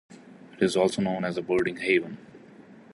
It is also known as a birding haven.